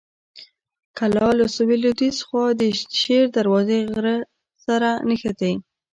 کلا له سویل لویديځې خوا د شیر دروازې غر سره نښتې.